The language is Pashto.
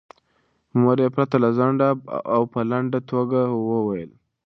مور یې پرته له ځنډه او په لنډه توګه هو وویل.